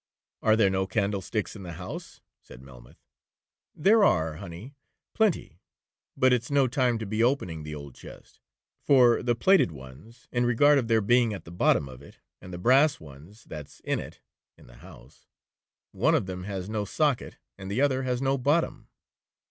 'Are there no candlesticks in the house?' said Melmoth. 'There are, honey, plinty, but it's no time to be opening the old chest, for the plated ones, in regard of their being at the bottom of it, and the brass ones that's in it (in the house), one of them has no socket, and the other has no bottom.'